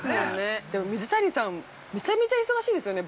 ◆でも水谷さん、めちゃめちゃ忙しいですよね。